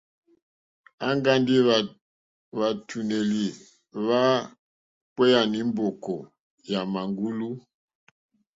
Aŋga ndi hwaŋga hwàtùnèlì hwa kpeyani è mbòkò yà màŋgulu.